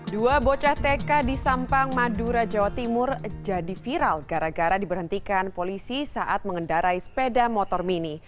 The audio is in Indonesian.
dua bocah tk di sampang madura jawa timur jadi viral gara gara diberhentikan polisi saat mengendarai sepeda motor mini